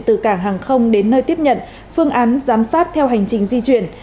từ cảng hàng không đến nơi tiếp nhận phương án giám sát theo hành trình di chuyển